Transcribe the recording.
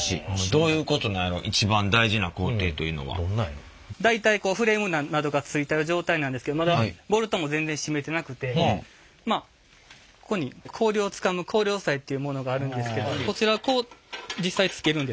どういうことなんやろ一番大事な工程というのは。大体こうフレームなどが付いた状態なんですけどまだボルトも全然締めてなくてまあここに氷をつかむ氷押さえっていうものがあるんですけどこちらこう実際付けるんですね。